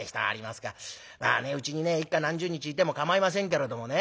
まあねうちにね幾日何十日いても構いませんけれどもね